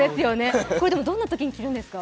これ、どんなときに着るんですか？